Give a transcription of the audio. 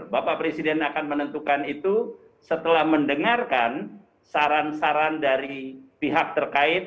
bapak presiden akan menentukan itu setelah mendengarkan saran saran dari pihak terkait